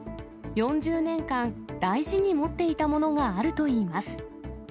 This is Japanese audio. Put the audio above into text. ４０年間、大事に持っていたものがあるといいます。